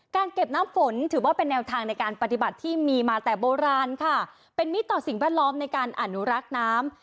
เก็บน้ำฝนถือว่าเป็นแนวทางในการปฏิบัติที่มีมาแต่โบราณค่ะเป็นมิตรต่อสิ่งแวดล้อมในการอนุรักษ์น้ำ